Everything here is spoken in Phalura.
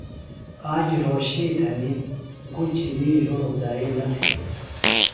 آج رھوشی تھنیۡ گُچیۡ می ہِڑوۡ زرے نہ تھے۔